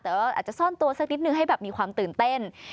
แต่ว่าอาจจะซ่อนตัวสักนิดนึงให้แบบมีความตื่นเต้น